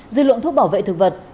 dư luận thuốc bảo vệ thực vật